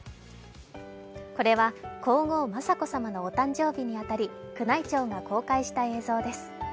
これは、皇后・雅子さまのお誕生日にあたり宮内庁が公開した映像です。